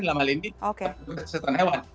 dalam hal ini kesehatan hewan